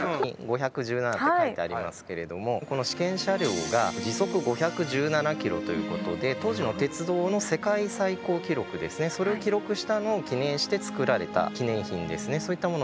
「５１７」って書いてありますけれどもこの試験車両が時速５１７キロということで当時の鉄道の世界最高記録ですねそれを記録したのを記念して作られた記念品ですねそういったものになります。